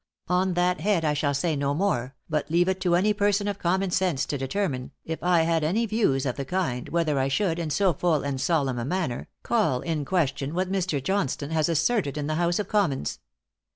On that head I shall say no more, but leave it to any person of common sense to determine, if I had any views of that kind, whether I should, in so full and solemn a manner, call in question what Mr. Johnstone has asserted in the House of Commons.